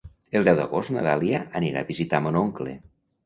El deu d'agost na Dàlia anirà a visitar mon oncle.